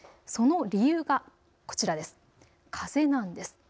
その理由がこちらです。